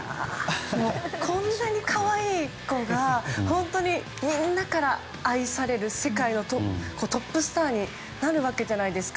こんなに可愛い子がみんなから愛される世界のトップスターになるわけじゃないですか。